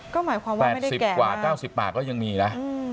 ก็หมายความว่าไม่ได้แก่มากแปดสิบกว่าเก้าสิบปากก็ยังมีนะ